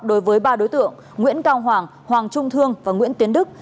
đối với ba đối tượng nguyễn cao hoàng trung thương và nguyễn tiến đức